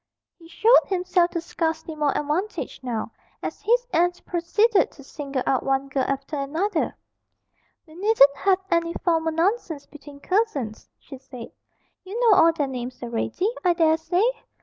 He showed himself to scarcely more advantage now, as his aunt proceeded to single out one girl after another. 'We needn't have any formal nonsense between cousins,' she said; 'you know all their names already, I dare say.